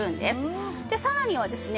さらにはですね